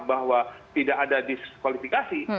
bahwa tidak ada diskualifikasi